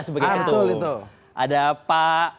sebagai itu ada pak